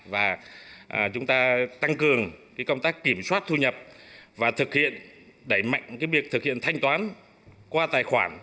và chúng ta tăng cường công tác kiểm soát thu nhập và thực hiện đẩy mạnh việc thực hiện thanh toán qua tài khoản